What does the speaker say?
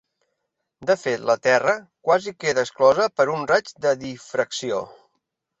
De fet la terra quasi queda exclosa per un raig de difracció.